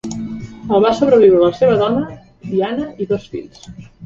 El va sobreviure la seva dona, Diana, i dos fills.